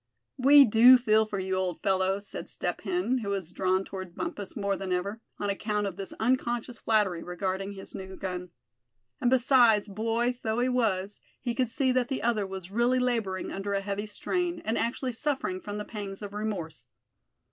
"We do feel for you, old fellow," said Step Hen, who was drawn toward Bumpus more than ever, on account of this unconscious flattery regarding his new gun; and besides, boy though he was, he could see that the other was really laboring under a heavy strain, and actually suffering from the pangs of remorse.